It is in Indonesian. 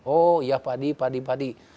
oh ya padi padi padi